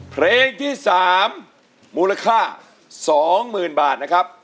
เพลงที่๓มูลค่า๒๐๐๐บาทนะครับ